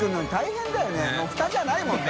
もうフタじゃないもんね。